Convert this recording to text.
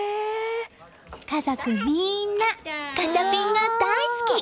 家族みんなガチャピンが大好き！